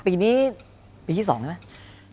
ปีนี้ปีที่๒ใช่ไหม